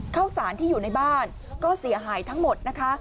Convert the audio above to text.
ข้าวสารที่อยู่ในบ้านก็เสียหายทั้งหมดนะคะ